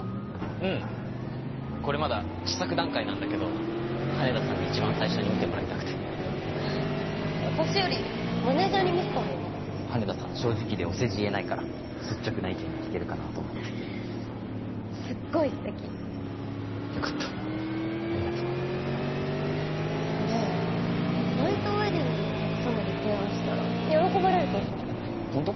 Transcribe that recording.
うんこれまだ試作段階なんだけど羽田さんに一番最初に見てもらいたくてあ私よりマネージャーに見せたほうが羽田さん正直でお世辞言えないから率直な意見が聞けるかなと思ってすっごい素敵よかったありがとうこれナイトウェディングのお客様に提案したら喜ばれると思うえっホント？